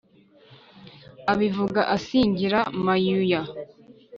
abivuga asingira mayuya